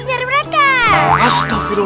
sama bersalah itu